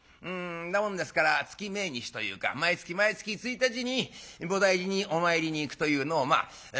なもんですから月命日というか毎月毎月１日に菩提寺にお参りに行くというのをまあ常にしている。